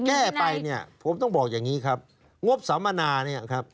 แก้ไปเนี่ยผมต้องบอกอย่างนี้ครับงบสัมมนาเนี่ยครับ